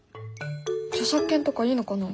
著作権とかいいのかな？